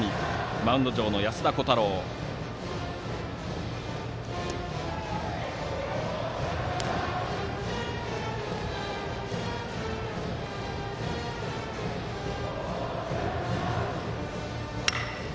マウンド上の安田虎汰郎です。